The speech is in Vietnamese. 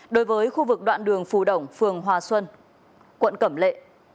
đối với khu vực đoạn đường phù đồng phường hòa xuân quận cẩm lệ